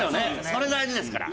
それ大事ですから。